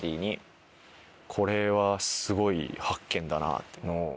これはすごい発見だなって。